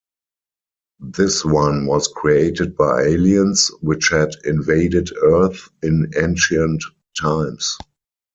This one was created by aliens, which had invaded Earth in ancient times.